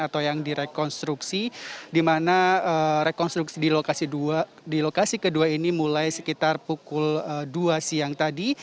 atau yang direkonstruksi di mana rekonstruksi di lokasi kedua ini mulai sekitar pukul dua siang tadi